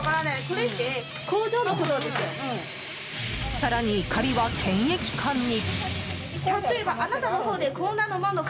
更に、怒りは検疫官に。